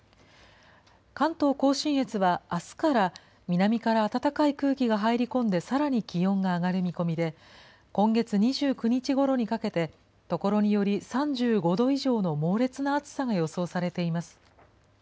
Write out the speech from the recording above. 関東甲信越は、あすから、南から暖かい空気が入り込んで、さらに気温が上がる見込みで、今月２９日ごろにかけて所により３５度以上の猛烈な暑さが予想されています。